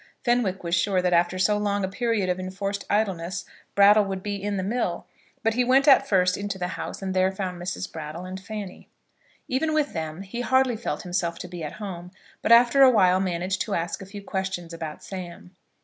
Fenwick was sure that after so long a period of enforced idleness Brattle would be in the mill, but he went at first into the house and there found Mrs. Brattle and Fanny. Even with them he hardly felt himself to be at home, but after a while managed to ask a few questions about Sam.